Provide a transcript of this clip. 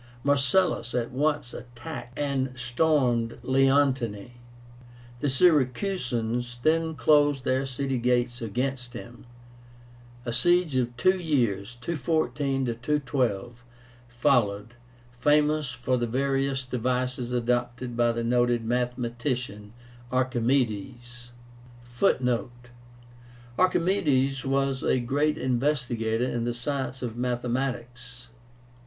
Marcellus at once attacked and stormed Leontini. The Syracusans then closed their city gates against him. A siege of two years (214 212) followed, famous for the various devices adopted by the noted mathematician ARCHIMÉDES (Footnote: Archimédes was a great investigator in the science of mathematics.